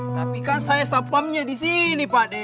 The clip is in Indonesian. tapi kan saya satpamnya disini pak d